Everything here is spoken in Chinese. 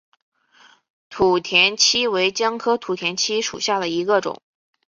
土田七为姜科土田七属下的一个种。